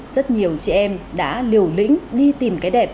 rất nhiều chị em đã liều lĩnh đi tìm cái đẹp